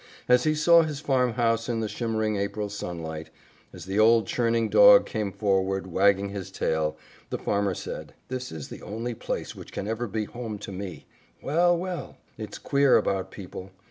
As he saw his farmhouse in the shimmering April sunlight, as the old churning dog came forward, wagging his tail, the farmer said, "This is the only place which can ever be home to me. Well, well! It's queer about people.